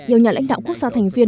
nhiều nhà lãnh đạo quốc gia thành viên